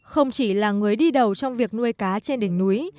không chỉ là người đi đầu trong việc nuôi cá trên đỉnh núi